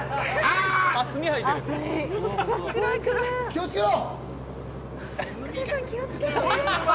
気をつけろ！